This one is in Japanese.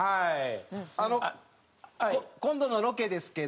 あの今度のロケですけど。